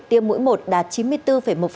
tiêm mũi một đạt chín mươi bốn một